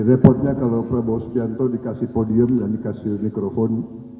repotnya kalau prabowo subianto dikasih podium dan dikasih mikrofon